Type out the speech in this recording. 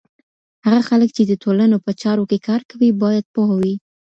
هغه خلګ چي د ټولنو په چارو کي کار کوي، باید پوه وي.